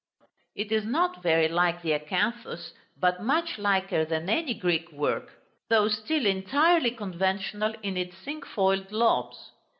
It is not very like the acanthus, but much liker than any Greek work; though still entirely conventional in its cinquefoiled lobes.